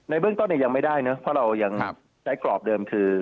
เบื้องต้นยังไม่ได้นะเพราะเรายังใช้กรอบเดิมคือ